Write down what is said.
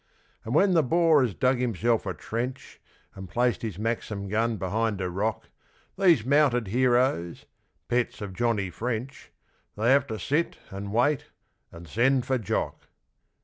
And when the Boer has dug himself a trench And placed his Maxim gun behind a rock, These mounted heroes pets of Johnny French They have to sit and wait and send for Jock!